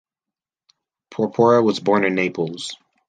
Porpora was born in Naples.